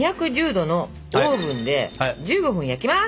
℃のオーブンで１５分焼きます！